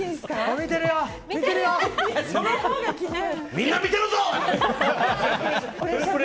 みんな見てるぞ！